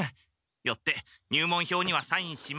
よって入門票にはサインしません。